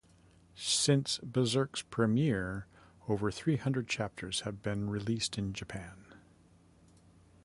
Since "Berserk"s premiere, over three hundred chapters have been released in Japan.